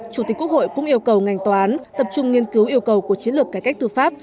chủ tịch quốc hội cũng yêu cầu ngành tòa án tập trung nghiên cứu yêu cầu của chiến lược cải cách tư pháp